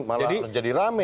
malah menjadi rame